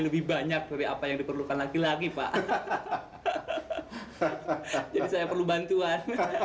lebih banyak dari apa yang diperlukan laki laki pak jadi saya perlu bantuan